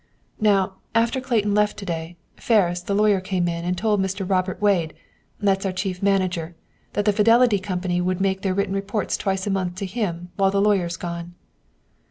"Now, after Clayton left, to day, Ferris the lawyer came in and told Mr. Robert Wade, that's our chief manager, that the Fidelity Company would make their written reports twice a month to him, while the lawyer's gone."